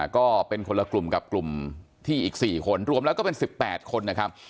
ก็เป็นคนละกลุ่มกับกลุ่มที่อีก๔คนรวมแล้วก็เป็น๑๘คนนะครับ